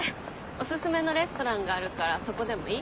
おすすめのレストランがあるからそこでもいい？